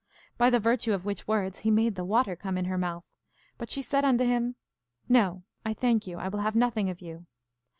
By the virtue of which words he made the water come in her mouth; but she said unto him, No, I thank you, I will have nothing of you.